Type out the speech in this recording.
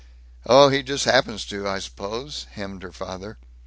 "Oh, he just happened to, I suppose," hemmed her father.